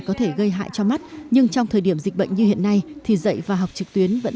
có thể gây hại cho mắt nhưng trong thời điểm dịch bệnh như hiện nay thì dạy và học trực tuyến vẫn